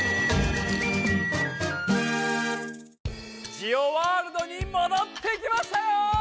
ジオワールドにもどってきましたよ！